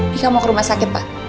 jika mau ke rumah sakit pak